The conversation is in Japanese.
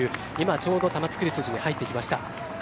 ちょうど玉造筋に入っていきました。